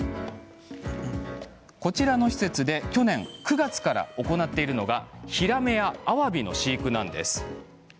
こちらの施設で去年９月から行っているのがヒラメや、あわびの飼育です。